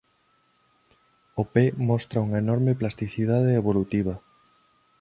O pé mostra unha enorme plasticidade evolutiva.